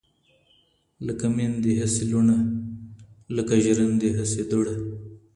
لکه میندي هسي لوڼه لکه ژرندي هسي دوړه.